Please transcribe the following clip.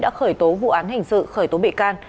đã khởi tố vụ án hình sự khởi tố bị can